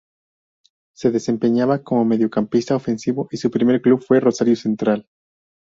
Se desempeñaba como mediocampista ofensivo y su primer club fue Rosario Central.